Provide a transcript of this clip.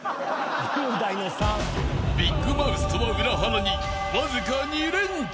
［ビッグマウスとは裏腹にわずか］